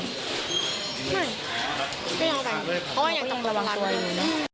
ไม่เพราะว่ายังตอบประวัติ